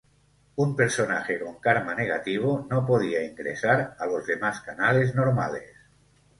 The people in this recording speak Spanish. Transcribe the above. Un personaje con Karma negativo no podía ingresar a los demás canales normales.